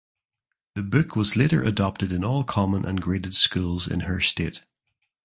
The book was later adopted in all common and graded schools in her state.